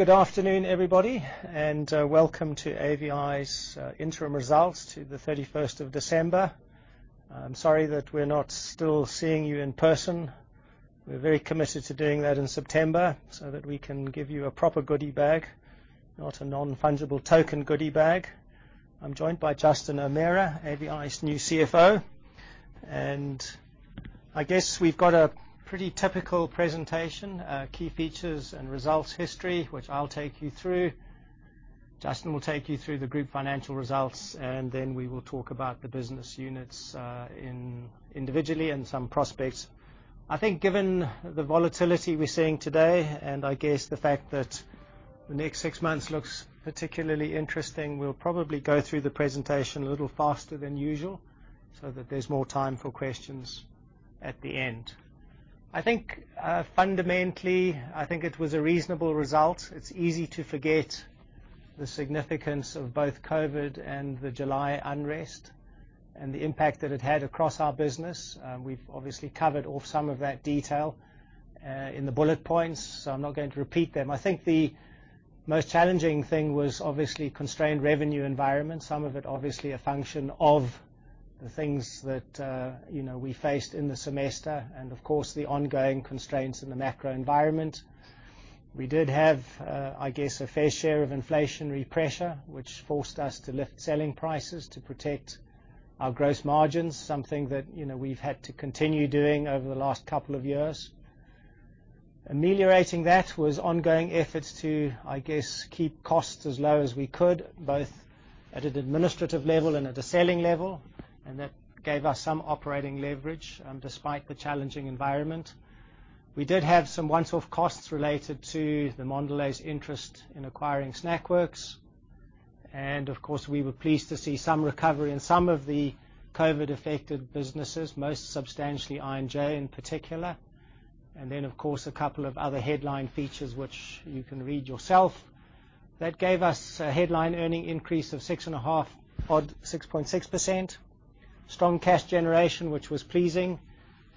Good afternoon, everybody, and welcome to AVI's interim results to the 31st December. I'm sorry that we're not still seeing you in person. We're very committed to doing that in September so that we can give you a proper goodie bag, not a non-fungible token goodie bag. I'm joined by Justin O'Meara, AVI's new CFO. I guess we've got a pretty typical presentation, key features and results history, which I'll take you through. Justin will take you through the group financial results, and then we will talk about the business units, individually and some prospects. I think given the volatility we're seeing today, and I guess the fact that the next six months looks particularly interesting, we'll probably go through the presentation a little faster than usual so that there's more time for questions at the end. I think, fundamentally, I think it was a reasonable result. It's easy to forget the significance of both COVID and the July unrest and the impact that it had across our business. We've obviously covered off some of that detail in the bullet points, so I'm not going to repeat them. I think the most challenging thing was obviously constrained revenue environment, some of it obviously a function of the things that, you know, we faced in the semester and of course, the ongoing constraints in the macro environment. We did have, I guess, a fair share of inflationary pressure, which forced us to lift selling prices to protect our gross margins, something that, you know, we've had to continue doing over the last couple of years. Ameliorating that was ongoing efforts to, I guess, keep costs as low as we could, both at an administrative level and at a selling level, and that gave us some operating leverage despite the challenging environment. We did have some once-off costs related to the Mondelez interest in acquiring SnackWorks. Of course, we were pleased to see some recovery in some of the COVID-affected businesses, most substantially, I&J in particular. Of course, a couple of other headline features which you can read yourself. That gave us a headline earnings increase of 6.6%. Strong cash generation, which was pleasing,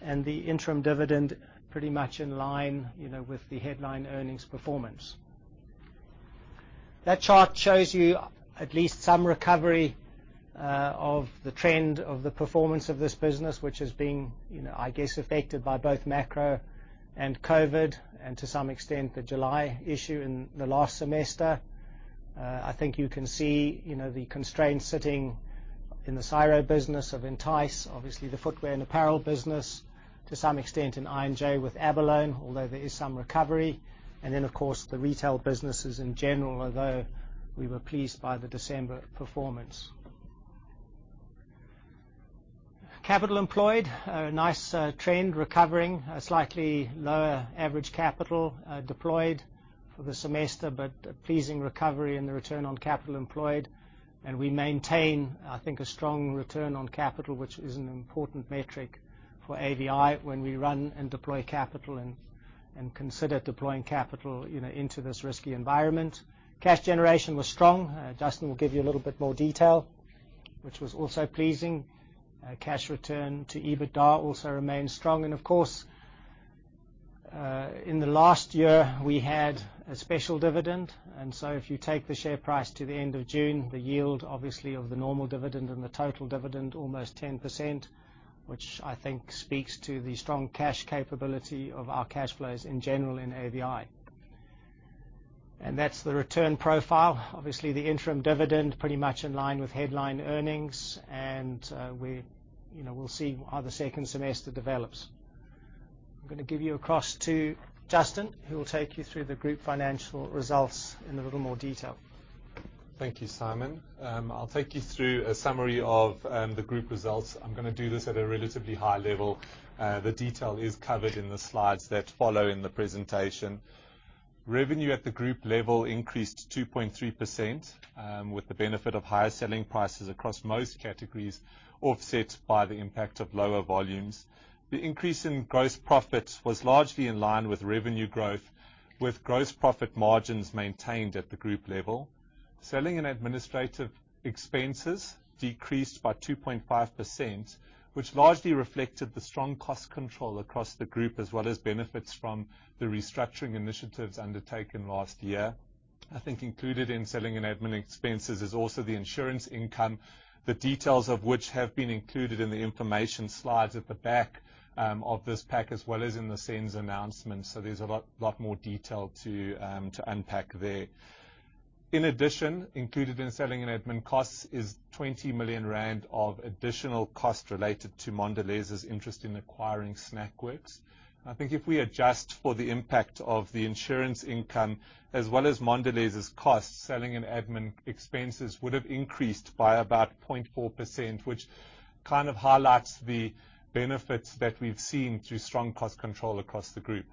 and the interim dividend pretty much in line, you know, with the headline earnings performance. That chart shows you at least some recovery of the trend of the performance of this business, which has been, you know, I guess, affected by both macro and COVID, and to some extent, the July issue in the last semester. I think you can see, you know, the constraints sitting in the Ciro business of Entyce, obviously the Footwear and Apparel business, to some extent in I&J with abalone, although there is some recovery. Of course, the retail businesses in general, although we were pleased by the December performance. Capital employed, a nice trend recovering. A slightly lower average capital deployed for the semester, but a pleasing recovery in the return on capital employed. We maintain, I think, a strong return on capital, which is an important metric for AVI when we run and deploy capital and consider deploying capital, you know, into this risky environment. Cash generation was strong. Justin will give you a little bit more detail, which was also pleasing. Cash return to EBITDA also remains strong. Of course, in the last year, we had a special dividend. If you take the share price to the end of June, the yield, obviously of the normal dividend and the total dividend, almost 10%, which I think speaks to the strong cash capability of our cash flows in general in AVI. That's the return profile. Obviously, the interim dividend pretty much in line with headline earnings. We, you know, we'll see how the second semester develops. I'm gonna hand over to Justin, who will take you through the group financial results in a little more detail. Thank you, Simon. I'll take you through a summary of the group results. I'm gonna do this at a relatively high level. The detail is covered in the slides that follow in the presentation. Revenue at the group level increased 2.3%, with the benefit of higher selling prices across most categories, offset by the impact of lower volumes. The increase in gross profit was largely in line with revenue growth, with gross profit margins maintained at the group level. Selling and administrative expenses decreased by 2.5%, which largely reflected the strong cost control across the group, as well as benefits from the restructuring initiatives undertaken last year. I think included in selling and admin expenses is also the insurance income, the details of which have been included in the information slides at the back of this pack, as well as in the SENS announcement. There's a lot more detail to unpack there. In addition, included in selling and admin costs is 20 million rand of additional cost related to Mondelez's interest in acquiring SnackWorks. I think if we adjust for the impact of the insurance income as well as Mondelez's costs, selling and admin expenses would have increased by about 0.4%, which kind of highlights the benefits that we've seen through strong cost control across the group.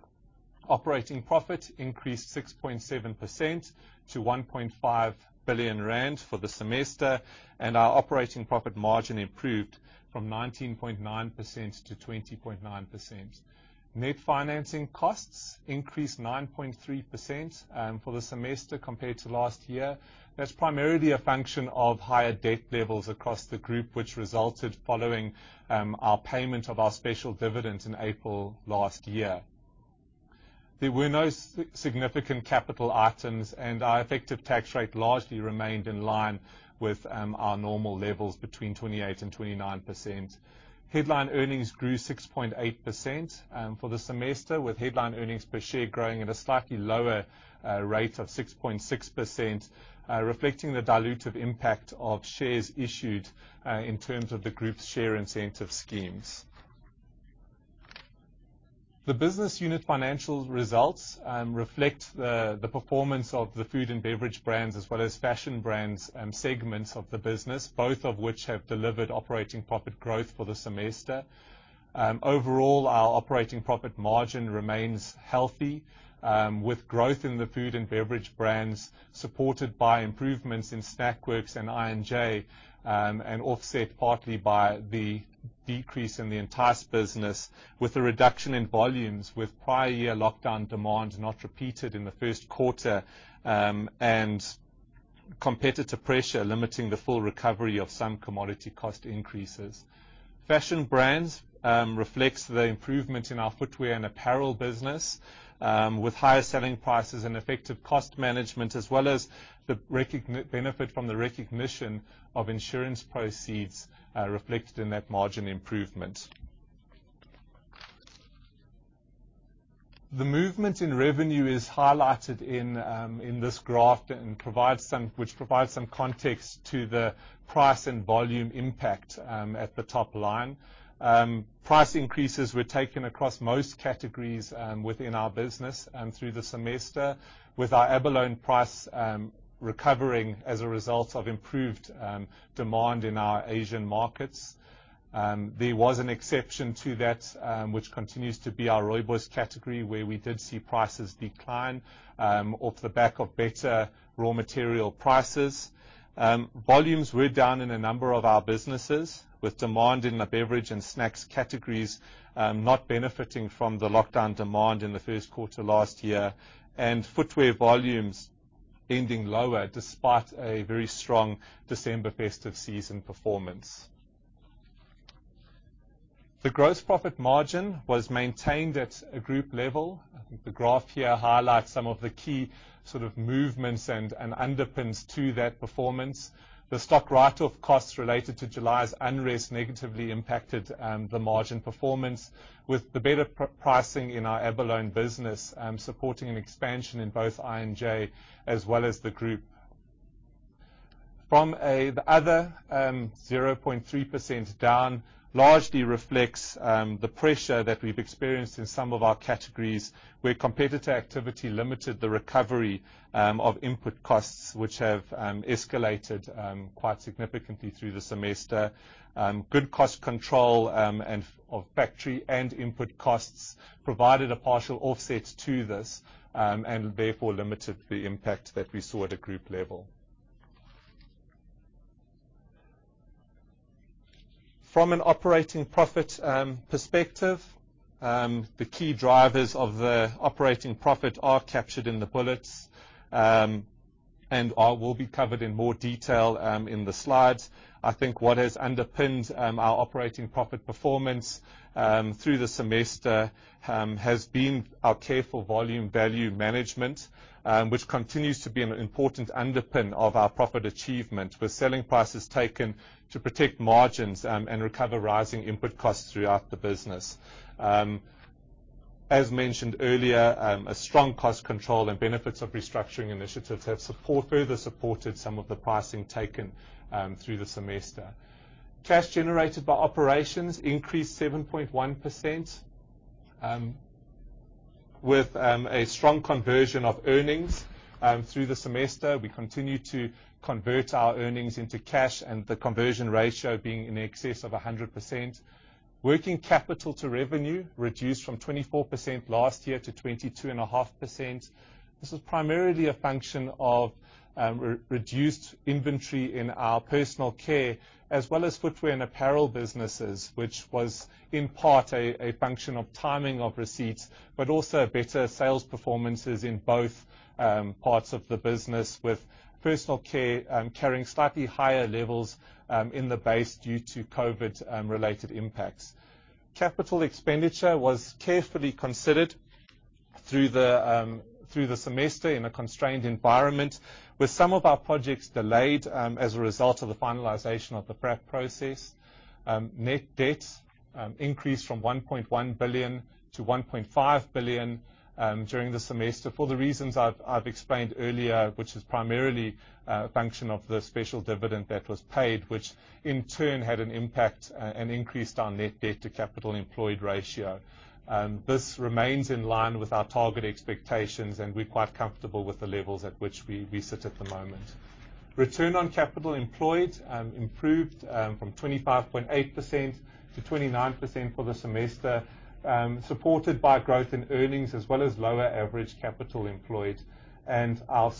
Operating profit increased 6.7% to 1.5 billion rand for the semester, and our operating profit margin improved from 19.9% to 20.9%. Net financing costs increased 9.3% for the semester compared to last year. That's primarily a function of higher debt levels across the group, which resulted following our payment of our special dividend in April last year. There were no significant capital items, and our effective tax rate largely remained in line with our normal levels between 28% and 29%. Headline earnings grew 6.8% for the semester, with headline earnings per share growing at a slightly lower rate of 6.6%, reflecting the dilutive impact of shares issued in terms of the group's share incentive schemes. The business unit financials results reflect the performance of the food and beverage brands, as well as fashion brands and segments of the business, both of which have delivered operating profit growth for the semester. Overall, our operating profit margin remains healthy, with growth in the food and beverage brands supported by improvements in SnackWorks and I&J, and offset partly by the decrease in the entire business, with a reduction in volumes with prior year lockdown demand not repeated in the first quarter, and competitive pressure limiting the full recovery of some commodity cost increases. Fashion brands reflects the improvement in our Footwear and Apparel business, with higher selling prices and effective cost management, as well as the benefit from the recognition of insurance proceeds, reflected in that margin improvement. The movement in revenue is highlighted in this graph, which provides some context to the price and volume impact at the top line. Price increases were taken across most categories within our business through the semester, with our abalone price recovering as a result of improved demand in our Asian markets. There was an exception to that, which continues to be our rooibos category, where we did see prices decline off the back of better raw material prices. Volumes were down in a number of our businesses, with demand in the beverage and snacks categories not benefiting from the lockdown demand in the first quarter last year, and footwear volumes ending lower despite a very strong December festive season performance. The gross profit margin was maintained at a group level. I think the graph here highlights some of the key sort of movements and underpins to that performance. The stock write-off costs related to July's unrest negatively impacted the margin performance with the better pricing in our abalone business supporting an expansion in both I&J as well as the group. The other 0.3% down largely reflects the pressure that we've experienced in some of our categories, where competitor activity limited the recovery of input costs, which have escalated quite significantly through the semester. Good cost control and control of factory and input costs provided a partial offset to this and therefore limited the impact that we saw at a group level. From an operating profit perspective, the key drivers of the operating profit are captured in the bullets and will be covered in more detail in the slides. I think what has underpinned our operating profit performance through the semester has been our careful volume-value management, which continues to be an important underpin of our profit achievement, with selling prices taken to protect margins and recover rising input costs throughout the business. As mentioned earlier, a strong cost control and benefits of restructuring initiatives have further supported some of the pricing taken through the semester. Cash generated by operations increased 7.1%, with a strong conversion of earnings. Through the semester, we continued to convert our earnings into cash, and the conversion ratio being in excess of 100%. Working capital to revenue reduced from 24% last year to 22.5%. This is primarily a function of reduced inventory in our personal care as well as Footwear and Apparel businesses, which was in part a function of timing of receipts, but also better sales performances in both parts of the business with personal care carrying slightly higher levels in the base due to COVID related impacts. Capital expenditure was carefully considered through the semester in a constrained environment, with some of our projects delayed as a result of the finalization of the FRAP process. Net debt increased from 1.1 billion to 1.5 billion during the semester for the reasons I've explained earlier, which is primarily a function of the special dividend that was paid, which in turn had an impact and increased our net debt to capital employed ratio. This remains in line with our target expectations, and we're quite comfortable with the levels at which we sit at the moment. Return on capital employed improved from 25.8% to 29% for the semester, supported by growth in earnings as well as lower average capital employed. Our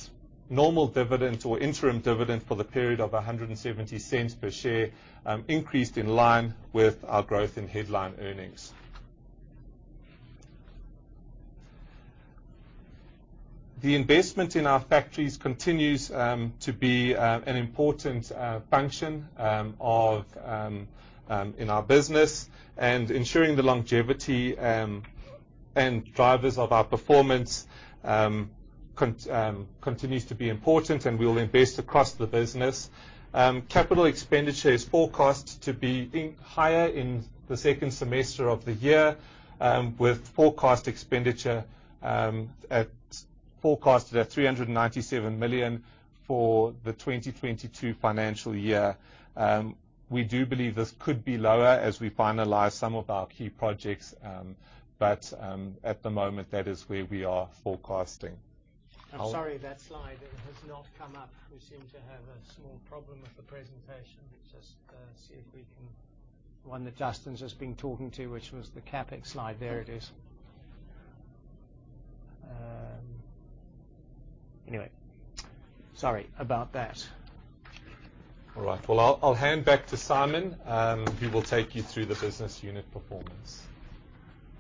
normal dividend or interim dividend for the period of 1.70 per share increased in line with our growth in headline earnings. The investment in our factories continues to be an important function in our business, and ensuring the longevity and drivers of our performance continues to be important, and we will invest across the business. CapEx is forecast to be higher in the second semester of the year, with forecast expenditure forecasted at 397 million for the 2022 financial year. We do believe this could be lower as we finalize some of our key projects, but at the moment, that is where we are forecasting. I'm sorry, that slide has not come up. We seem to have a small problem with the presentation. Let's just see if we can. The one that Justin's just been talking about, which was the CapEx slide. There it is. Anyway, sorry about that. All right. Well, I'll hand back to Simon. He will take you through the business unit performance.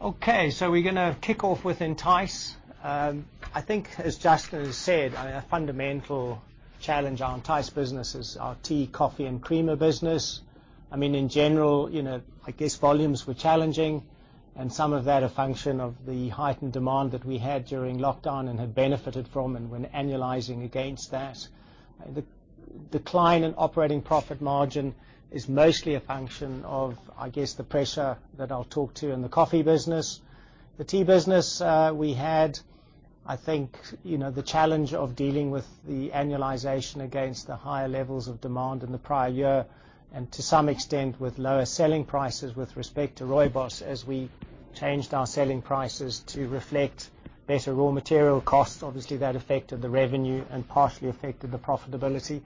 Okay, we're gonna kick off with Entyce. I think, as Justin has said, a fundamental challenge on Entyce business is our tea, coffee, and creamer business. I mean, in general, you know, I guess volumes were challenging, and some of that a function of the heightened demand that we had during lockdown and have benefited from and when annualizing against that. The decline in operating profit margin is mostly a function of, I guess, the pressure that I'll talk to in the coffee business. The tea business, we had, I think, you know, the challenge of dealing with the annualization against the higher levels of demand in the prior year, and to some extent, with lower selling prices with respect to rooibos, as we changed our selling prices to reflect better raw material costs. Obviously, that affected the revenue and partially affected the profitability.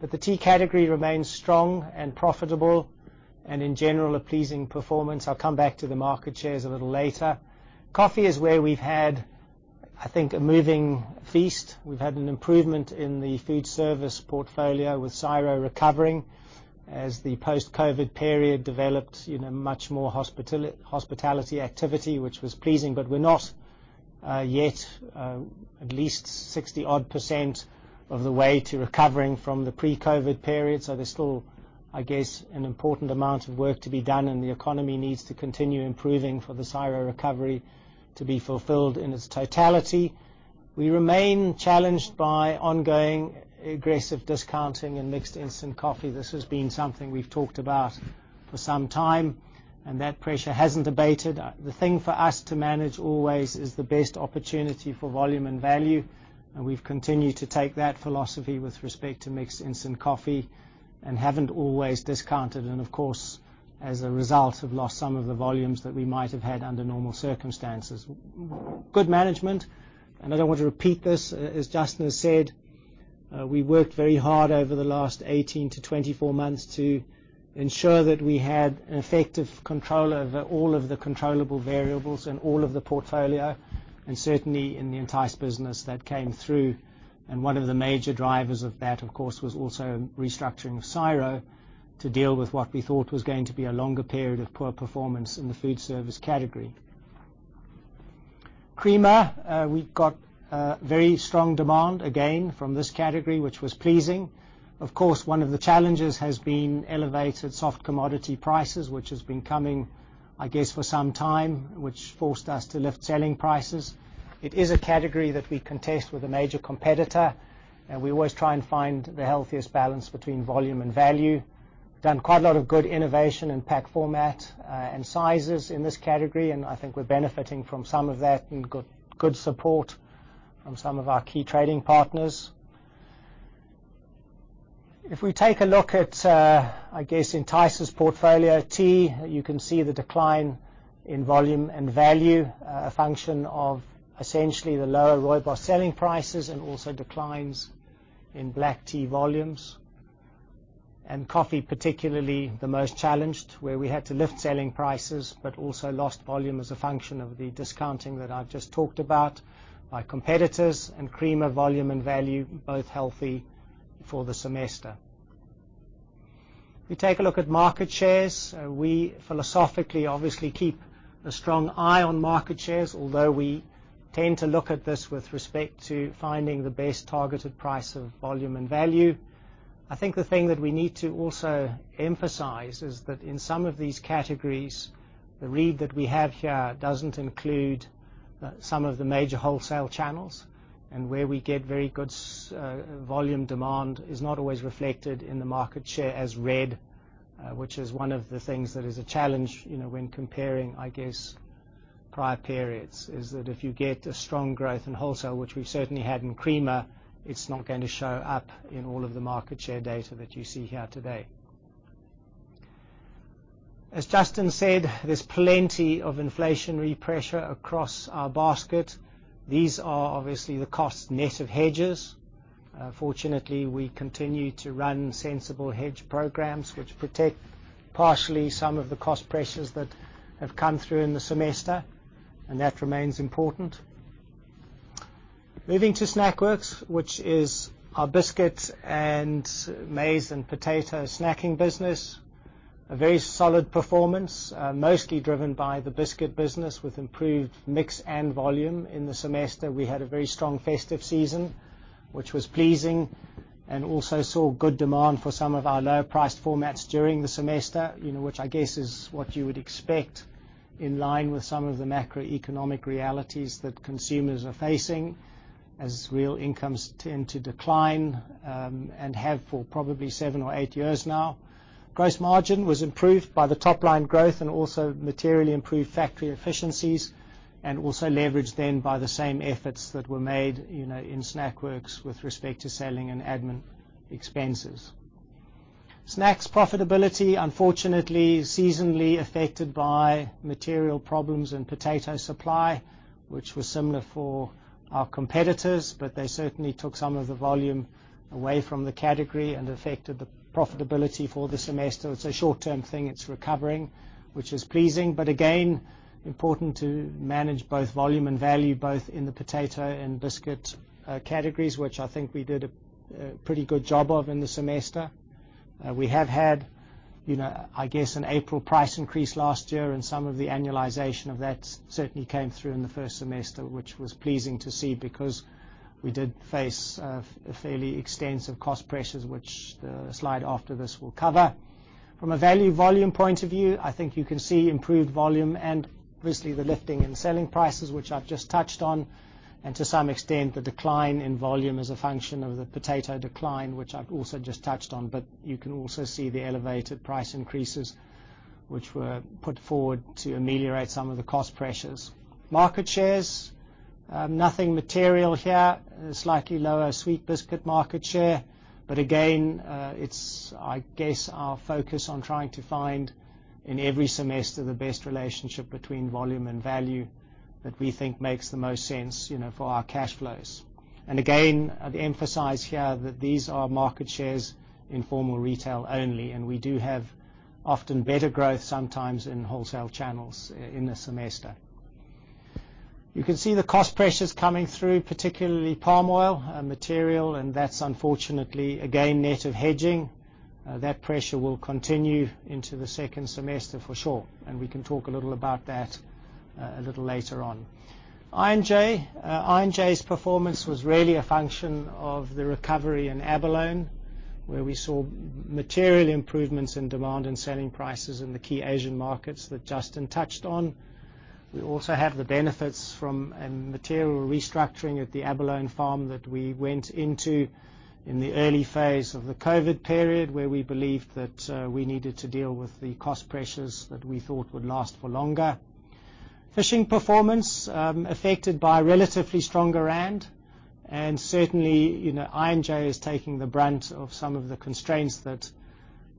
The tea category remains strong and profitable, and in general, a pleasing performance. I'll come back to the market shares a little later. Coffee is where we've had, I think, a moving feast. We've had an improvement in the food service portfolio with Ciro recovering as the post-COVID period developed, you know, much more hospitality activity, which was pleasing. We're not yet at least 60% of the way to recovering from the pre-COVID period. There's still, I guess, an important amount of work to be done, and the economy needs to continue improving for the Ciro recovery to be fulfilled in its totality. We remain challenged by ongoing aggressive discounting in mixed instant coffee. This has been something we've talked about for some time, and that pressure hasn't abated. The thing for us to manage always is the best opportunity for volume and value, and we've continued to take that philosophy with respect to mixed instant coffee and haven't always discounted, and of course, as a result, have lost some of the volumes that we might have had under normal circumstances. Good management. I don't want to repeat this. As Justin said, we worked very hard over the last 18-24 months to ensure that we had an effective control over all of the controllable variables in all of the portfolio, and certainly in the Entyce business, that came through. One of the major drivers of that, of course, was also restructuring Ciro to deal with what we thought was going to be a longer period of poor performance in the food service category. Creamer, we got very strong demand, again, from this category, which was pleasing. Of course, one of the challenges has been elevated soft commodity prices, which has been coming, I guess, for some time, which forced us to lift selling prices. It is a category that we contest with a major competitor, and we always try and find the healthiest balance between volume and value. Done quite a lot of good innovation in pack format, and sizes in this category, and I think we're benefiting from some of that. We've got good support from some of our key trading partners. If we take a look at, I guess, Entyce's portfolio, tea, you can see the decline in volume and value, a function of essentially the lower rooibos selling prices and also declines in black tea volumes. Coffee, particularly the most challenged, where we had to lift selling prices, but also lost volume as a function of the discounting that I've just talked about by competitors. Creamer volume and value, both healthy for the semester. If we take a look at market shares, we philosophically obviously keep a strong eye on market shares, although we tend to look at this with respect to finding the best targeted price or volume and value. I think the thing that we need to also emphasize is that in some of these categories, the read that we have here doesn't include some of the major wholesale channels. Where we get very good volume demand is not always reflected in the market share as read, which is one of the things that is a challenge, you know, when comparing, I guess, prior periods, is that if you get a strong growth in wholesale, which we've certainly had in creamer, it's not gonna show up in all of the market share data that you see here today. As Justin said, there's plenty of inflationary pressure across our basket. These are obviously the costs net of hedges. Fortunately, we continue to run sensible hedge programs which protect partially some of the cost pressures that have come through in the semester, and that remains important. Moving to SnackWorks, which is our biscuit and maize and potato snacking business. A very solid performance, mostly driven by the biscuit business with improved mix and volume. In the semester, we had a very strong festive season, which was pleasing, and also saw good demand for some of our lower-priced formats during the semester, you know, which I guess is what you would expect in line with some of the macroeconomic realities that consumers are facing as real incomes tend to decline, and have for probably seven or eight years now. Gross margin was improved by the top line growth and also materially improved factory efficiencies, and also leveraged then by the same efforts that were made, you know, in SnackWorks with respect to selling and admin expenses. Snacks profitability, unfortunately, seasonally affected by material problems and potato supply, which was similar for our competitors, but they certainly took some of the volume away from the category and affected the profitability for the semester. It's a short-term thing. It's recovering, which is pleasing. Again, important to manage both volume and value, both in the potato and biscuit categories, which I think we did a pretty good job of in the semester. We have had, you know, I guess, an April price increase last year, and some of the annualization of that certainly came through in the first semester, which was pleasing to see because we did face a fairly extensive cost pressures, which the slide after this will cover. From a value volume point of view, I think you can see improved volume and obviously the lifting and selling prices, which I've just touched on, and to some extent, the decline in volume as a function of the potato decline, which I've also just touched on. You can also see the elevated price increases, which were put forward to ameliorate some of the cost pressures. Market shares, nothing material here. A slightly lower sweet biscuit market share. Again, it's, I guess, our focus on trying to find in every semester the best relationship between volume and value that we think makes the most sense, you know, for our cash flows. Again, I'd emphasize here that these are market shares in formal retail only, and we do have often better growth sometimes in wholesale channels in a semester. You can see the cost pressures coming through, particularly palm oil, material, and that's unfortunately, again, net of hedging. That pressure will continue into the second semester for sure, and we can talk a little about that, a little later on. I&J. I&J's performance was really a function of the recovery in abalone, where we saw material improvements in demand and selling prices in the key Asian markets that Justin touched on. We also have the benefits from a material restructuring at the abalone farm that we went into in the early phase of the COVID period, where we believed that we needed to deal with the cost pressures that we thought would last for longer. Fishing performance affected by a relatively stronger rand, and certainly, you know, I&J is taking the brunt of some of the constraints that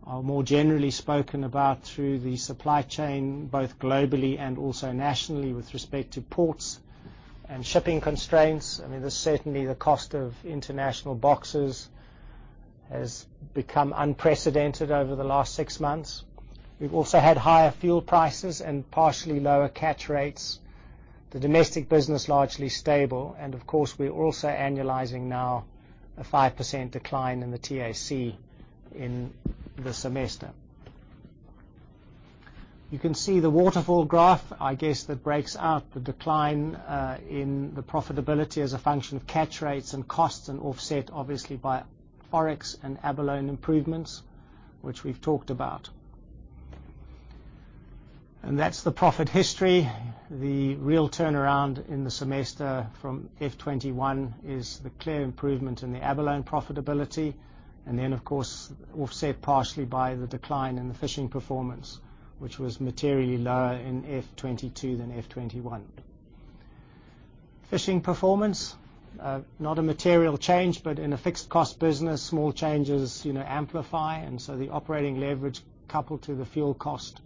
are more generally spoken about through the supply chain, both globally and also nationally with respect to ports and shipping constraints. I mean, certainly the cost of international boxes has become unprecedented over the last six months. We've also had higher fuel prices and partially lower catch rates. The domestic business, largely stable. Of course, we're also annualizing now a 5% decline in the TAC in the semester. You can see the waterfall graph, I guess, that breaks out the decline in the profitability as a function of catch rates and costs and offset, obviously, by forex and abalone improvements, which we've talked about. That's the profit history. The real turnaround in the semester from F2021 is the clear improvement in the abalone profitability, and then, of course, offset partially by the decline in the fishing performance, which was materially lower in F2022 than F2021. Fishing performance not a material change, but in a fixed cost business, small changes, you know, amplify, and so the operating leverage coupled to the fuel cost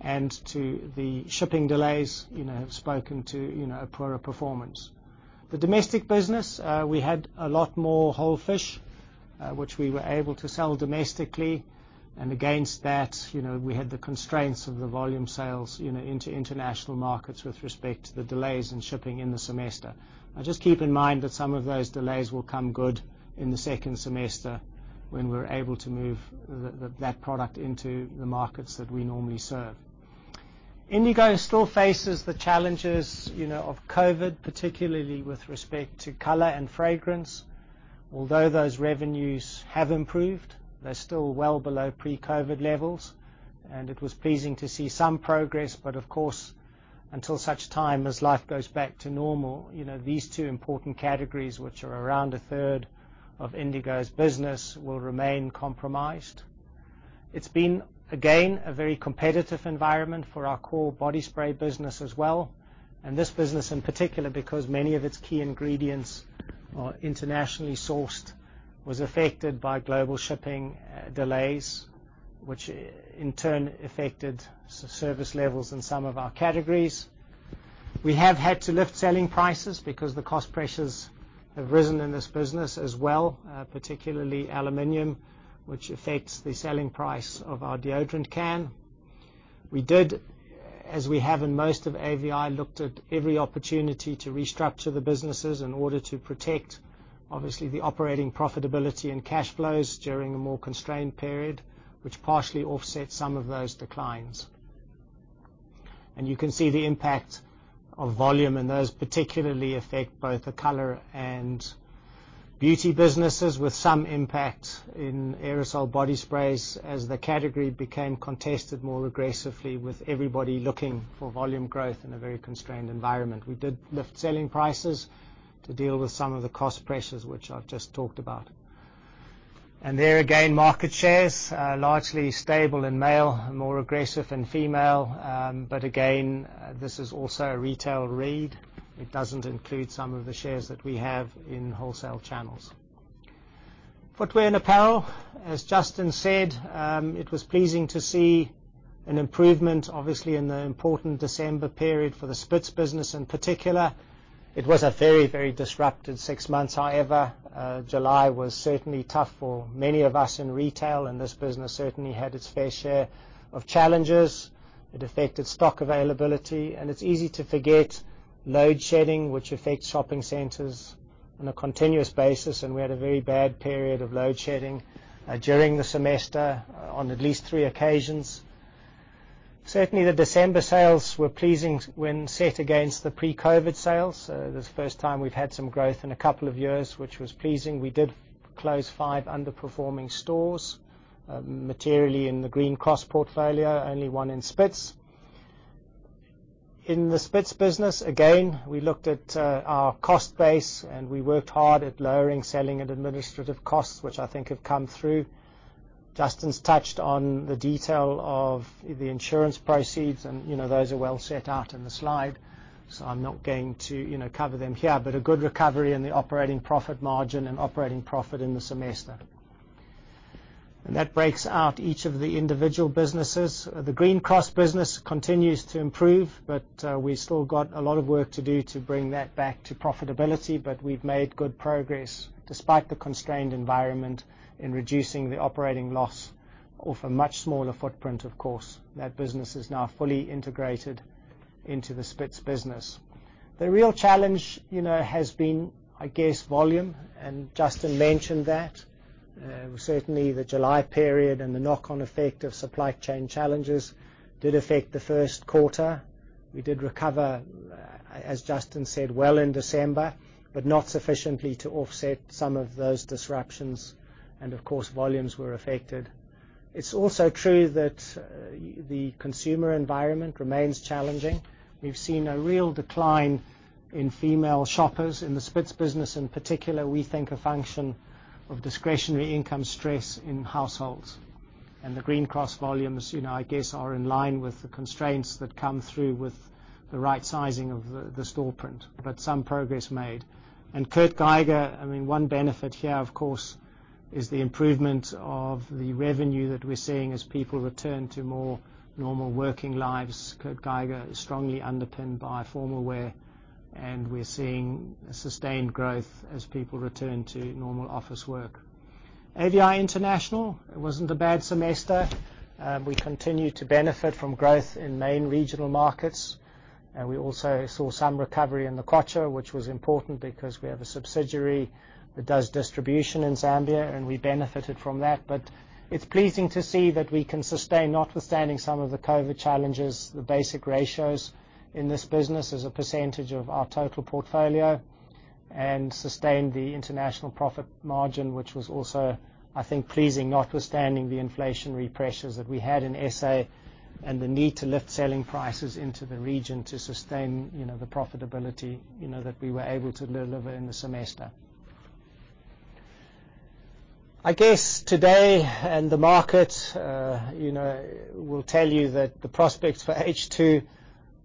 and to the shipping delays, you know, have spoken to, you know, a poorer performance. The domestic business, we had a lot more whole fish, which we were able to sell domestically. Against that, you know, we had the constraints of the volume sales, you know, into international markets with respect to the delays in shipping in the semester. Now, just keep in mind that some of those delays will come good in the second semester when we're able to move that product into the markets that we normally serve. Indigo still faces the challenges, you know, of COVID, particularly with respect to color and fragrance. Although those revenues have improved, they're still well below pre-COVID levels. It was pleasing to see some progress, but of course, until such time as life goes back to normal, you know, these two important categories, which are around a third of Indigo's business, will remain compromised. It's been, again, a very competitive environment for our core body spray business as well. This business, in particular, because many of its key ingredients are internationally sourced, was affected by global shipping delays, which in turn affected service levels in some of our categories. We have had to lift selling prices because the cost pressures have risen in this business as well, particularly aluminum, which affects the selling price of our deodorant can. We did, as we have in most of AVI, looked at every opportunity to restructure the businesses in order to protect, obviously, the operating profitability and cash flows during a more constrained period, which partially offset some of those declines. You can see the impact of volume, and those particularly affect both the color and beauty businesses, with some impact in aerosol body sprays as the category became contested more aggressively with everybody looking for volume growth in a very constrained environment. We did lift selling prices to deal with some of the cost pressures, which I've just talked about. There again, market shares are largely stable in male, more aggressive in female. Again, this is also a retail read. It doesn't include some of the shares that we have in wholesale channels. Footwear and Apparel, as Justin said, it was pleasing to see an improvement, obviously, in the important December period for the Spitz business in particular. It was a very, very disrupted six months. However, July was certainly tough for many of us in retail, and this business certainly had its fair share of challenges. It affected stock availability, and it's easy to forget load shedding, which affects shopping centers on a continuous basis, and we had a very bad period of load shedding during the semester on at least three occasions. Certainly, the December sales were pleasing when set against the pre-COVID sales. This is the first time we've had some growth in a couple of years, which was pleasing. We did close five underperforming stores, materially in the Green Cross portfolio, only one in Spitz. In the Spitz business, again, we looked at our cost base, and we worked hard at lowering selling and administrative costs, which I think have come through. Justin's touched on the detail of the insurance proceeds and, you know, those are well set out in the slide, so I'm not going to, you know, cover them here. A good recovery in the operating profit margin and operating profit in the semester. That breaks out each of the individual businesses. The Green Cross business continues to improve, but we've still got a lot of work to do to bring that back to profitability. We've made good progress, despite the constrained environment, in reducing the operating loss of a much smaller footprint, of course. That business is now fully integrated into the Spitz business. The real challenge, you know, has been, I guess, volume, and Justin mentioned that. Certainly the July period and the knock-on effect of supply chain challenges did affect the first quarter. We did recover, as Justin said, well in December, but not sufficiently to offset some of those disruptions, and of course, volumes were affected. It's also true that the consumer environment remains challenging. We've seen a real decline in female shoppers in the Spitz business, in particular, we think a function of discretionary income stress in households. The Green Cross volumes, you know, I guess, are in line with the constraints that come through with the right sizing of the store print, but some progress made. Kurt Geiger, I mean, one benefit here, of course, is the improvement of the revenue that we're seeing as people return to more normal working lives. Kurt Geiger is strongly underpinned by formal wear, and we're seeing sustained growth as people return to normal office work. AVI International, it wasn't a bad semester. We continue to benefit from growth in main regional markets, and we also saw some recovery in nkotcha, which was important because we have a subsidiary that does distribution in Zambia, and we benefited from that. It's pleasing to see that we can sustain, notwithstanding some of the COVID challenges, the basic ratios in this business as a percentage of our total portfolio, and sustain the international profit margin, which was also, I think, pleasing, notwithstanding the inflationary pressures that we had in SA and the need to lift selling prices into the region to sustain, you know, the profitability, you know, that we were able to deliver in the semester. I guess today, and the market, you know, will tell you that the prospects for H2,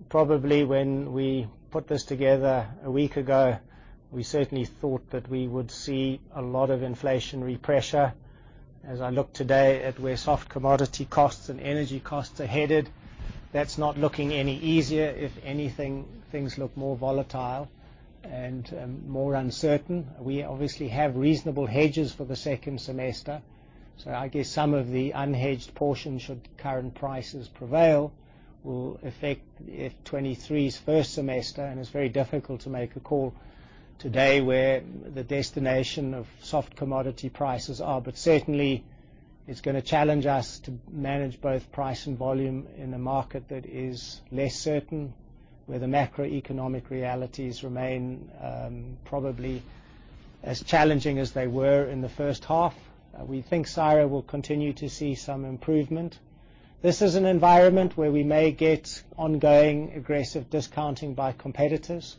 probably when we put this together a week ago, we certainly thought that we would see a lot of inflationary pressure. As I look today at where soft commodity costs and energy costs are headed, that's not looking any easier. If anything, things look more volatile and, more uncertain. We obviously have reasonable hedges for the second semester, so I guess some of the unhedged portions, should current prices prevail, will affect F-2023's first semester, and it's very difficult to make a call today where the destination of soft commodity prices are. But certainly it's gonna challenge us to manage both price and volume in a market that is less certain, where the macroeconomic realities remain, probably as challenging as they were in the H1. We think Ciro will continue to see some improvement. This is an environment where we may get ongoing aggressive discounting by competitors,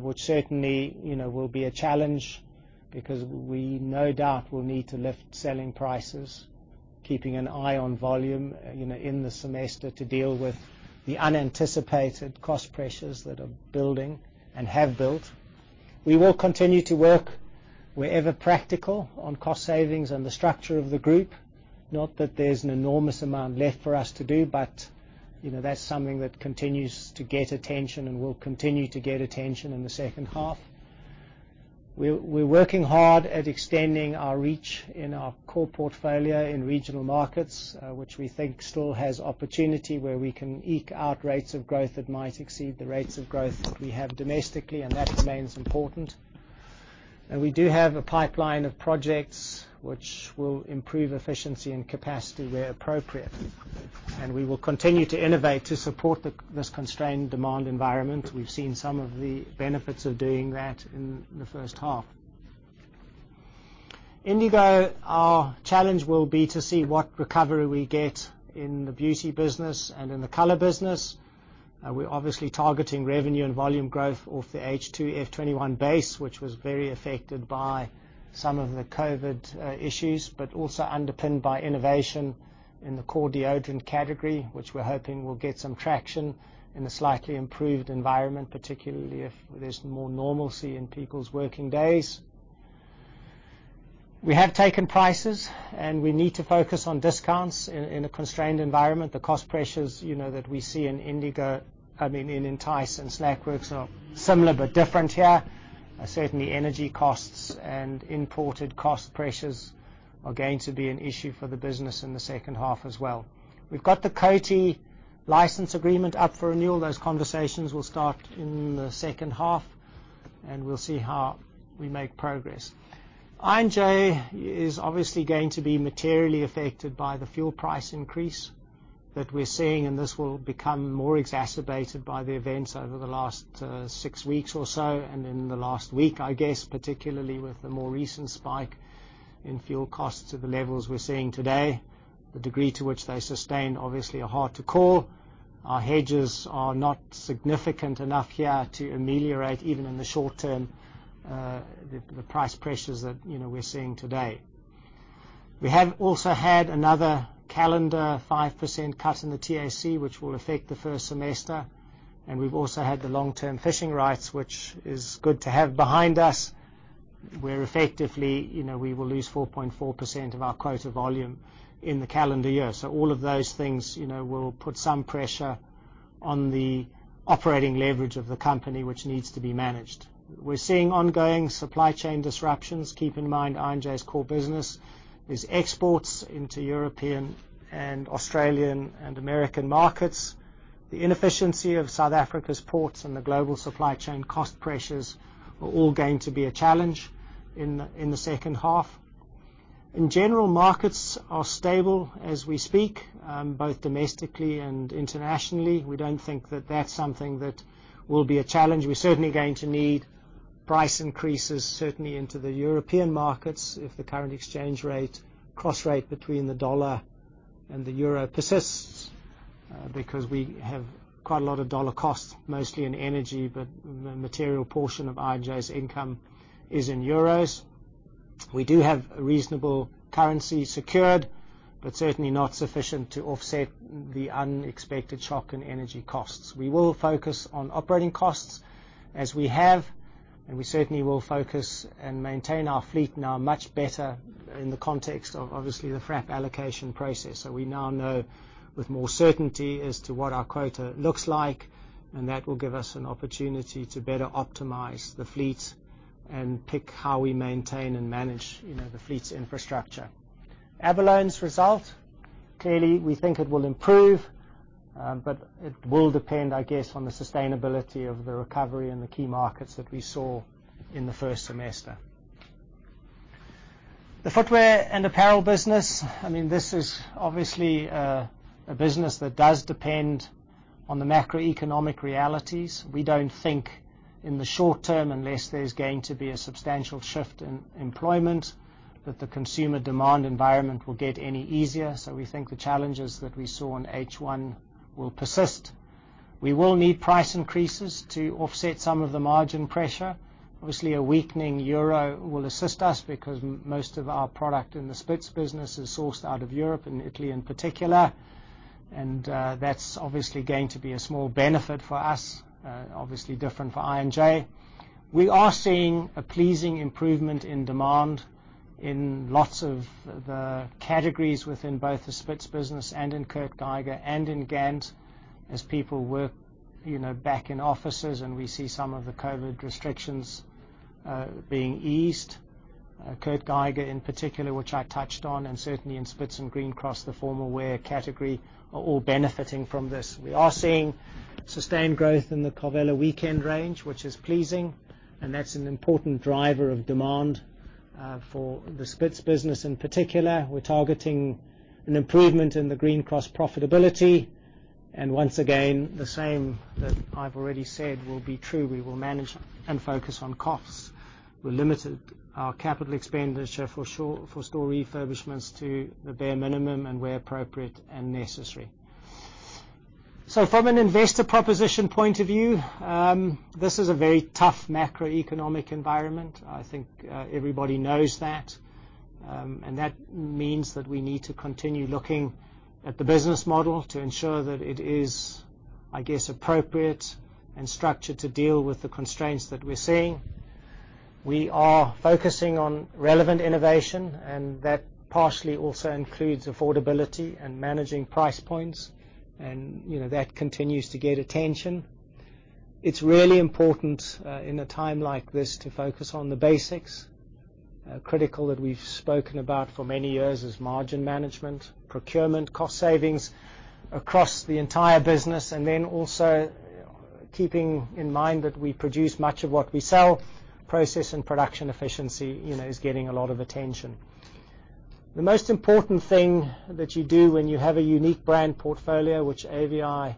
which certainly, you know, will be a challenge because we no doubt will need to lift selling prices, keeping an eye on volume, you know, in the semester to deal with the unanticipated cost pressures that are building and have built. We will continue to work wherever practical on cost savings and the structure of the group. Not that there's an enormous amount left for us to do, but, you know, that's something that continues to get attention and will continue to get attention in the H2. We're working hard at extending our reach in our core portfolio in regional markets, which we think still has opportunity where we can eke out rates of growth that might exceed the rates of growth that we have domestically, and that remains important. We do have a pipeline of projects which will improve efficiency and capacity where appropriate. We will continue to innovate to support this constrained demand environment. We've seen some of the benefits of doing that in the H1. Indigo, our challenge will be to see what recovery we get in the beauty business and in the color business. We're obviously targeting revenue and volume growth off the H2 F2021 base, which was very affected by some of the COVID issues, but also underpinned by innovation in the core deodorant category, which we're hoping will get some traction in a slightly improved environment, particularly if there's more normalcy in people's working days. We have taken prices, and we need to focus on discounts in a constrained environment. The cost pressures, you know, that we see in Indigo, I mean in Entyce and SnackWorks are similar but different here. Certainly energy costs and imported cost pressures are going to be an issue for the business in the H2 as well. We've got the Coty License Agreement up for renewal. Those conversations will start in the H2, and we'll see how we make progress. I&J is obviously going to be materially affected by the fuel price increase that we're seeing, and this will become more exacerbated by the events over the last six weeks or so, and in the last week, I guess, particularly with the more recent spike in fuel costs to the levels we're seeing today. The degree to which they sustain, obviously, are hard to call. Our hedges are not significant enough here to ameliorate, even in the short term, the price pressures that, you know, we're seeing today. We have also had another calendar 5% cut in the TAC, which will affect the first semester. We've also had the long-term fishing rights, which is good to have behind us, where effectively, you know, we will lose 4.4% of our quota volume in the calendar year. All of those things, you know, will put some pressure on the operating leverage of the company, which needs to be managed. We're seeing ongoing supply chain disruptions. Keep in mind, I&J's core business is exports into European and Australian and American markets. The inefficiency of South Africa's ports and the global supply chain cost pressures are all going to be a challenge in the second half. In general, markets are stable as we speak, both domestically and internationally. We don't think that that's something that will be a challenge. We're certainly going to need price increases, certainly into the European markets, if the current exchange rate, cross rate between the dollar and the euro persists, because we have quite a lot of dollar costs, mostly in energy, but the material portion of I&J's income is in euros. We do have reasonable currency secured, but certainly not sufficient to offset the unexpected shock in energy costs. We will focus on operating costs as we have, and we certainly will focus and maintain our fleet now much better in the context of, obviously, the FRAP allocation process. We now know with more certainty as to what our quota looks like, and that will give us an opportunity to better optimize the fleet and pick how we maintain and manage, you know, the fleet's infrastructure. Abalone's result, clearly, we think it will improve, but it will depend, I guess, on the sustainability of the recovery in the key markets that we saw in the first semester. The Footwear and Apparel business, I mean, this is obviously a business that does depend on the macroeconomic realities. We don't think in the short term, unless there's going to be a substantial shift in employment, that the consumer demand environment will get any easier. We think the challenges that we saw in H1 will persist. We will need price increases to offset some of the margin pressure. Obviously, a weakening euro will assist us because most of our product in the Spitz business is sourced out of Europe, and Italy in particular. That's obviously going to be a small benefit for us, obviously different for I&J. We are seeing a pleasing improvement in demand in lots of the categories within both the Spitz business and in Kurt Geiger and in GANT as people work, you know, back in offices and we see some of the COVID restrictions being eased. Kurt Geiger in particular, which I touched on, and certainly in Spitz and Green Cross, the formal wear category, are all benefiting from this. We are seeing sustained growth in the Carvela Weekend range, which is pleasing, and that's an important driver of demand for the Spitz business in particular. We're targeting an improvement in the Green Cross profitability. Once again, the same that I've already said will be true. We will manage and focus on costs. We limited our capital expenditure for sure for store refurbishments to the bare minimum and where appropriate and necessary. From an investor proposition point of view, this is a very tough macroeconomic environment. I think everybody knows that. That means that we need to continue looking at the business model to ensure that it is, I guess, appropriate and structured to deal with the constraints that we're seeing. We are focusing on relevant innovation, and that partially also includes affordability and managing price points. You know, that continues to get attention. It's really important in a time like this to focus on the basics. Critical that we've spoken about for many years is margin management, procurement cost savings across the entire business, and then also, keeping in mind that we produce much of what we sell, process and production efficiency, you know, is getting a lot of attention. The most important thing that you do when you have a unique brand portfolio, which AVI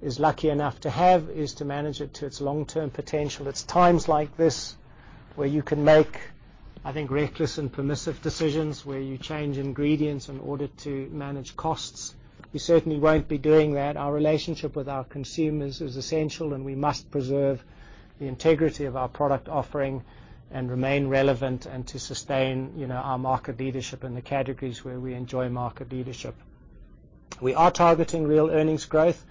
is lucky enough to have, is to manage it to its long-term potential. It's times like this where you can make, I think, reckless and permissive decisions, where you change ingredients in order to manage costs. We certainly won't be doing that. Our relationship with our consumers is essential, and we must preserve the integrity of our product offering and remain relevant and to sustain, you know, our market leadership in the categories where we enjoy market leadership. We are targeting real earnings growth.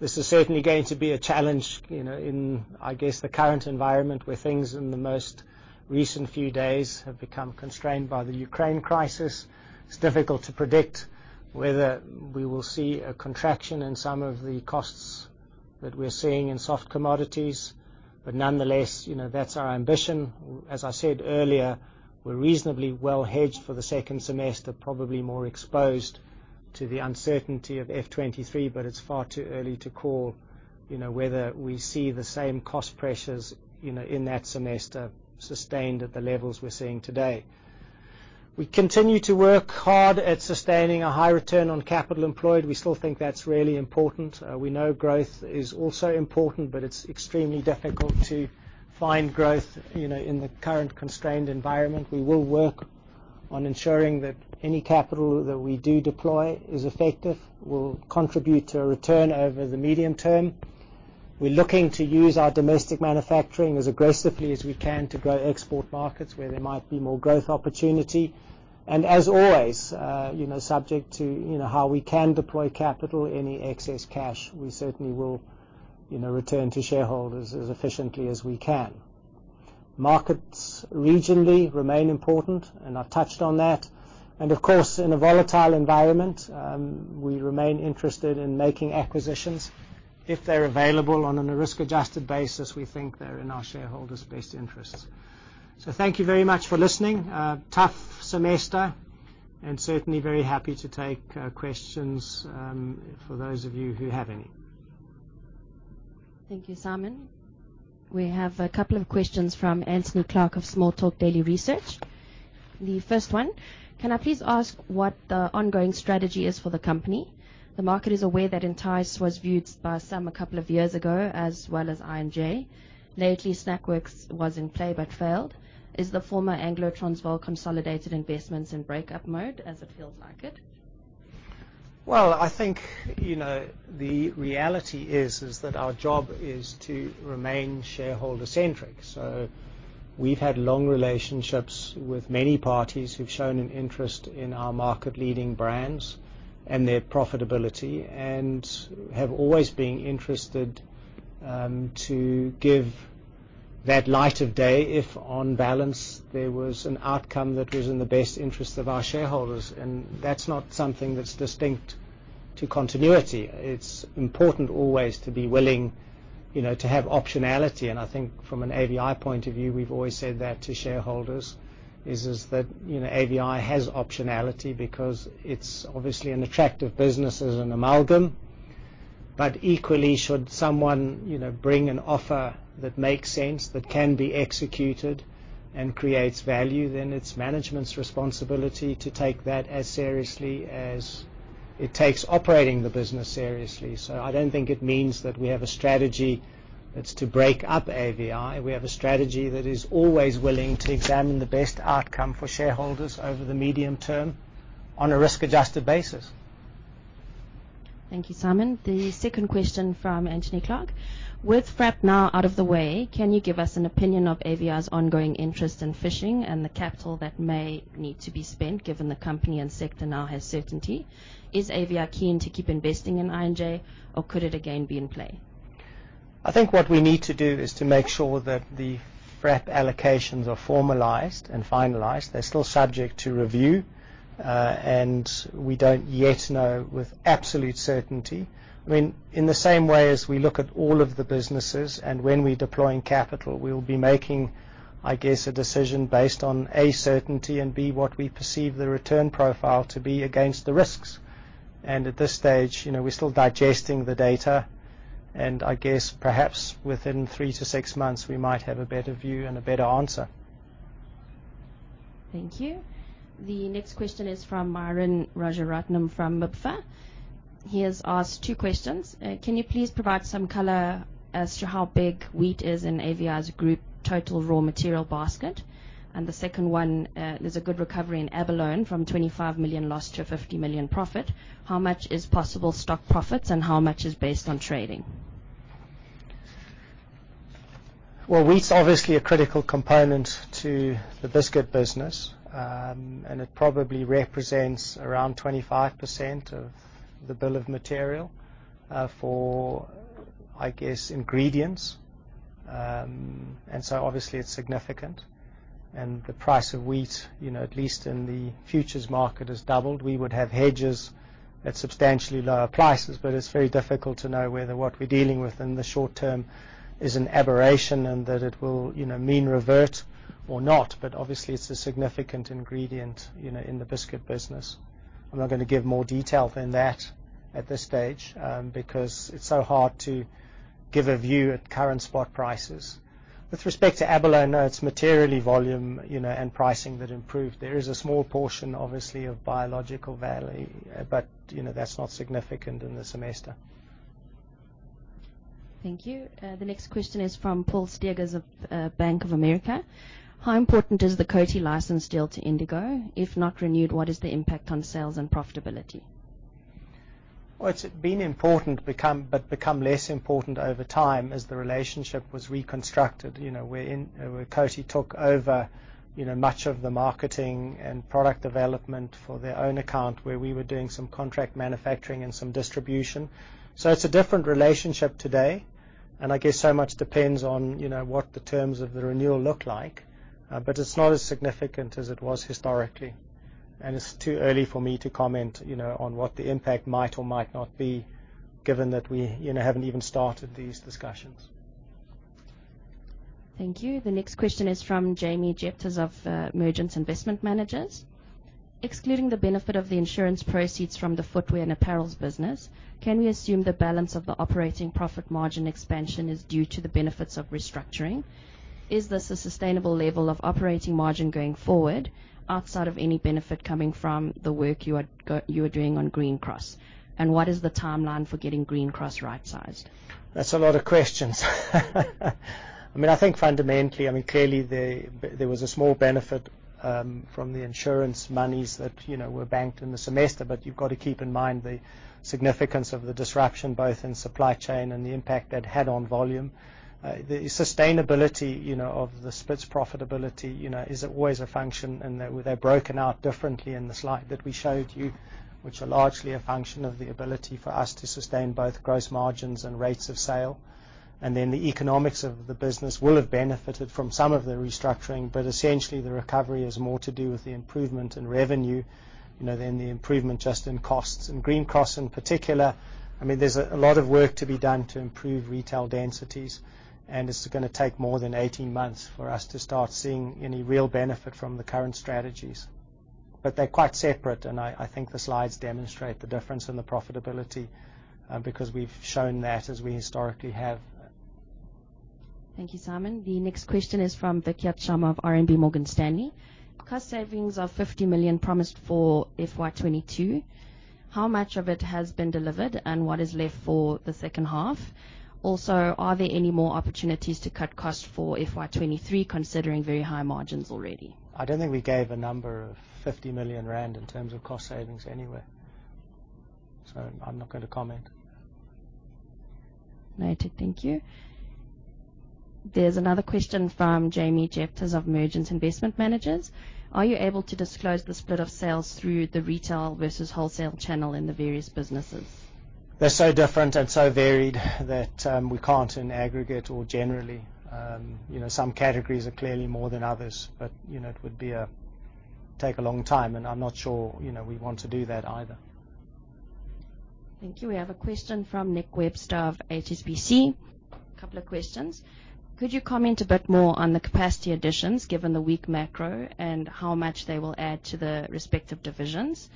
This is certainly going to be a challenge, you know, in, I guess, the current environment, where things in the most recent few days have become constrained by the Ukraine crisis. It's difficult to predict whether we will see a contraction in some of the costs that we're seeing in soft commodities. But nonetheless, you know, that's our ambition. As I said earlier, we're reasonably well hedged for the second semester, probably more exposed to the uncertainty of F2023, but it's far too early to call, you know, whether we see the same cost pressures, you know, in that semester sustained at the levels we're seeing today. We continue to work hard at sustaining a high return on capital employed. We still think that's really important. We know growth is also important, but it's extremely difficult to find growth, you know, in the current constrained environment. We will work on ensuring that any capital that we do deploy is effective, will contribute to a return over the medium term. We're looking to use our domestic manufacturing as aggressively as we can to grow export markets where there might be more growth opportunity. As always, you know, subject to, you know, how we can deploy capital, any excess cash, we certainly will, you know, return to shareholders as efficiently as we can. Markets regionally remain important, and I've touched on that. Of course, in a volatile environment, we remain interested in making acquisitions. If they're available on a risk-adjusted basis, we think they're in our shareholders' best interests. Thank you very much for listening. A tough semester, and certainly very happy to take questions for those of you who have any. Thank you, Simon. We have a couple of questions from Anthony Clark of Small Talk Daily Research. The first one, can I please ask what the ongoing strategy is for the company? The market is aware that Entyce was viewed by some a couple of years ago, as well as I&J. Lately, SnackWorks was in play but failed. Is the former Anglo-Transvaal Consolidated Investment Company in breakup mode, as it feels like it? Well, I think, you know, the reality is that our job is to remain shareholder-centric. We've had long relationships with many parties who've shown an interest in our market-leading brands and their profitability, and have always been interested to give that light of day if on balance, there was an outcome that was in the best interest of our shareholders. That's not something that's distinct to continuity. It's important always to be willing, you know, to have optionality. I think from an AVI point of view, we've always said that to shareholders is that, you know, AVI has optionality because it's obviously an attractive business as an Amalgam. Equally, should someone, you know, bring an offer that makes sense, that can be executed and creates value, then it's management's responsibility to take that as seriously as it takes operating the business seriously. I don't think it means that we have a strategy that's to break up AVI. We have a strategy that is always willing to examine the best outcome for shareholders over the medium term on a risk-adjusted basis. Thank you, Simon. The second question from Anthony Clark: With FRAP now out of the way, can you give us an opinion of AVI's ongoing interest in fishing and the capital that may need to be spent, given the company and sector now has certainty? Is AVI keen to keep investing in I&J, or could it again be in play? I think what we need to do is to make sure that the FRAP allocations are formalized and finalized. They're still subject to review, and we don't yet know with absolute certainty. I mean, in the same way as we look at all of the businesses and when we're deploying capital, we will be making, I guess, a decision based on, A, certainty and, B, what we perceive the return profile to be against the risks. At this stage, you know, we're still digesting the data, and I guess perhaps within three to six months, we might have a better view and a better answer. Thank you. The next question is from Myuran Rajaratnam from Mipha. He has asked two questions. Can you please provide some color as to how big wheat is in AVI's group total raw material basket? And the second one, there's a good recovery in abalone from 25 million loss to a 50 million profit. How much is possible stock profits, and how much is based on trading? Well, wheat's obviously a critical component to the biscuit business. It probably represents around 25% of the bill of material for, I guess, ingredients. Obviously, it's significant, and the price of wheat, you know, at least in the futures market, has doubled. We would have hedges at substantially lower prices, but it's very difficult to know whether what we're dealing with in the short term is an aberration and that it will, you know, mean revert or not. Obviously, it's a significant ingredient, you know, in the biscuit business. I'm not gonna give more detail than that at this stage because it's so hard to give a view at current spot prices. With respect to abalone, no, it's materially volume, you know, and pricing that improved. There is a small portion, obviously, of biological value, but, you know, that's not significant in the semester. Thank you. The next question is from Paul Gilligan of Bank of America: How important is the Coty license deal to Indigo? If not renewed, what is the impact on sales and profitability? Well, it's been important, but become less important over time as the relationship was reconstructed. You know, where Coty took over, you know, much of the marketing and product development for their own account, where we were doing some contract manufacturing and some distribution. It's a different relationship today, and I guess so much depends on, you know, what the terms of the renewal look like. It's not as significant as it was historically, and it's too early for me to comment, you know, on what the impact might or might not be, given that we, you know, haven't even started these discussions. Thank you. The next question is from Jamie Gillespie of Merchant West Investments: Excluding the benefit of the insurance proceeds from the Footwear and Apparels business, can we assume the balance of the operating profit margin expansion is due to the benefits of restructuring? Is this a sustainable level of operating margin going forward outside of any benefit coming from the work you are doing on Green Cross? And what is the timeline for getting Green Cross right-sized? That's a lot of questions. I mean, I think fundamentally, I mean, clearly there was a small benefit from the insurance monies that, you know, were banked in the semester. But you've got to keep in mind the significance of the disruption, both in supply chain and the impact that had on volume. The sustainability, you know, of the Spitz profitability, you know, is always a function, and they're broken out differently in the slide that we showed you, which are largely a function of the ability for us to sustain both gross margins and rates of sale. The economics of the business will have benefited from some of the restructuring, but essentially the recovery is more to do with the improvement in revenue, you know, than the improvement just in costs. Green Cross in particular, I mean, there's a lot of work to be done to improve retail densities, and it's gonna take more than 18 months for us to start seeing any real benefit from the current strategies. They're quite separate, and I think the slides demonstrate the difference in the profitability, because we've shown that as we historically have. Thank you, Simon. The next question is from Vicki Gillespie of RMB Morgan Stanley: Cost savings of 50 million promised for FY 2022, how much of it has been delivered, and what is left for the H2? Also, are there any more opportunities to cut costs for FY 2023, considering very high margins already? I don't think we gave a number of 50 million rand in terms of cost savings anywhere, so I'm not gonna comment. Noted. Thank you. There's another question from Jamie Gillespie of Merchant West Investments: Are you able to disclose the split of sales through the retail versus wholesale channel in the various businesses? They're so different and so varied that we can't in aggregate or generally. You know, some categories are clearly more than others, but you know, it would take a long time, and I'm not sure you know, we want to do that either. Thank you. We have a question from Nick Webster of HSBC. Couple of questions. Could you comment a bit more on the capacity additions, given the weak macro, and how much they will add to the respective divisions?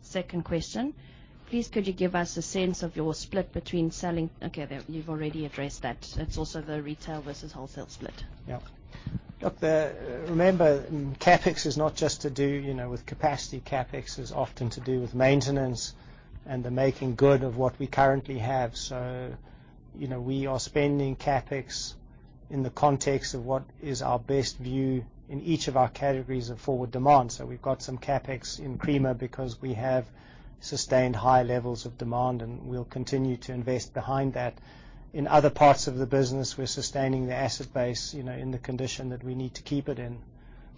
Second question: Please, could you give us a sense of your split between selling. Okay, there, you've already addressed that. It's also the retail versus wholesale split. Yep. Look, remember, CapEx is not just to do, you know, with capacity. CapEx is often to do with maintenance and the making good of what we currently have. You know, we are spending CapEx in the context of what is our best view in each of our categories of forward demand. We've got some CapEx in creamer because we have sustained high levels of demand, and we'll continue to invest behind that. In other parts of the business, we're sustaining the asset base, you know, in the condition that we need to keep it in.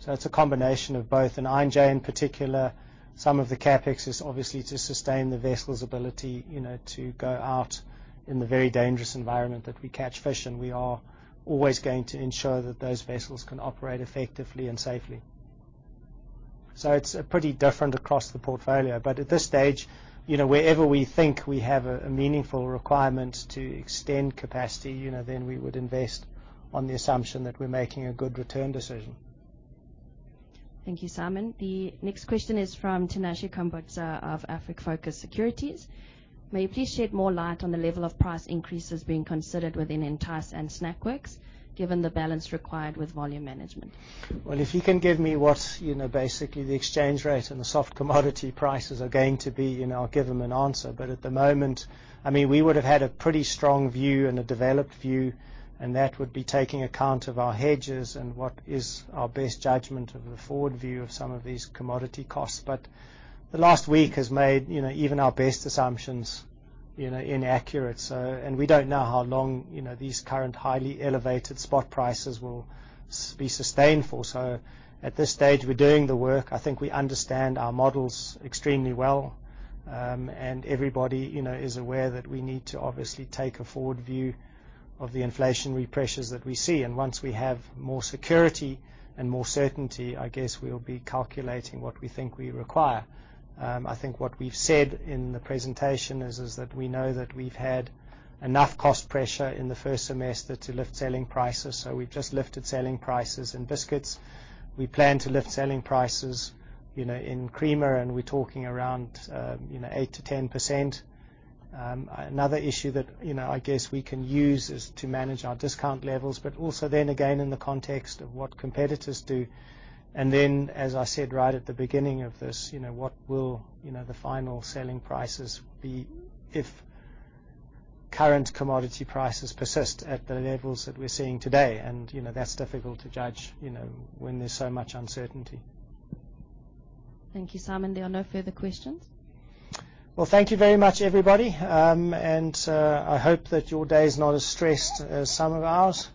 It's a combination of both. In I&J, in particular, some of the CapEx is obviously to sustain the vessels' ability, you know, to go out in the very dangerous environment that we catch fish in. We are always going to ensure that those vessels can operate effectively and safely. It's pretty different across the portfolio. At this stage, you know, wherever we think we have a meaningful requirement to extend capacity, you know, then we would invest on the assumption that we're making a good return decision. Thank you, Simon. The next question is from Tinashe Kumbula of Afrifocus Securities: May you please shed more light on the level of price increases being considered within Entyce and SnackWorks, given the balance required with volume management? Well, if you can give me what, you know, basically the exchange rate and the soft commodity prices are going to be, you know, I'll give them an answer. At the moment, I mean, we would have had a pretty strong view and a developed view, and that would be taking account of our hedges and what is our best judgment of the forward view of some of these commodity costs. The last week has made, you know, even our best assumptions, you know, inaccurate. We don't know how long, you know, these current highly elevated spot prices will be sustained for. At this stage, we're doing the work. I think we understand our models extremely well, and everybody, you know, is aware that we need to obviously take a forward view of the inflationary pressures that we see. Once we have more security and more certainty, I guess we'll be calculating what we think we require. I think what we've said in the presentation is that we know that we've had enough cost pressure in the first semester to lift selling prices, so we've just lifted selling prices in biscuits. We plan to lift selling prices, you know, in creamer, and we're talking around 8%-10%. Another issue that, you know, I guess we can use is to manage our discount levels, but also then again, in the context of what competitors do. Then, as I said right at the beginning of this, you know, what will, you know, the final selling prices be if current commodity prices persist at the levels that we're seeing today? You know, that's difficult to judge, you know, when there's so much uncertainty. Thank you, Simon. There are no further questions. Well, thank you very much, everybody. I hope that your day is not as stressed as some of ours.